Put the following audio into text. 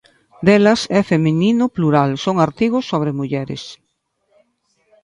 Delas e Feminino Plural son artigos sobre mulleres.